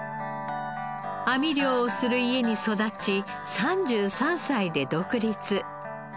網漁をする家に育ち３３歳で独立。